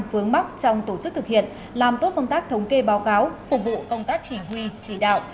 vướng mắt trong tổ chức thực hiện làm tốt công tác thống kê báo cáo phục vụ công tác chỉ huy chỉ đạo